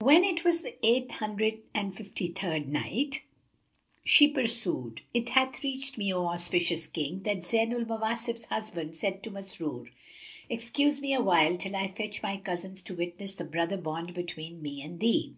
When it was the Eight Hundred and Fifty third Night, She pursued, It hath reached me, O auspicious King, that Zayn al Mawasif's husband said to Masrur, "Excuse me awhile, till I fetch my cousins to witness the brother bond between me and thee."